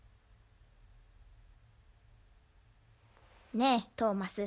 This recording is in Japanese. ねえトーマス。